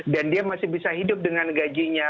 dan dia masih bisa hidup dengan gajinya